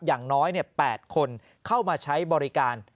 อย่างน้อย๘คนเข้ามาใช้บริการ